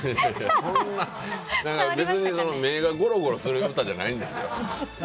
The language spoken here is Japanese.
そんな別に目がゴロゴロする歌じゃないんですよ。